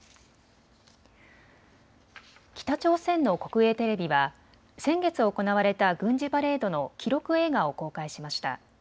北朝鮮の国営テレビは先月行われた軍事パレードの記録映画を公開しました。